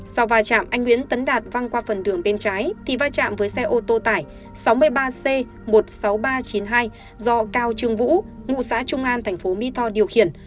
sau va chạm anh nguyễn tấn đạt văng qua phần đường bên trái thì va chạm với xe ô tô tải sáu mươi ba c một mươi sáu nghìn ba trăm chín mươi hai do cao trương vũ ngụ xã trung an thành phố mỹ tho điều khiển